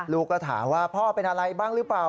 ลูกก็ถามว่าพ่อเป็นอะไรบ้างหรือเปล่า